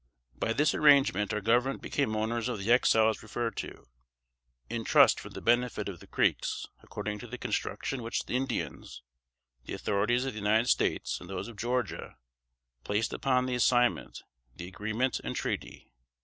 By this arrangement, our Government became owners of the Exiles referred to, in trust for the benefit of the Creeks, according to the construction which the Indians, the authorities of the United States and those of Georgia, placed upon the assignment, the agreement and treaty.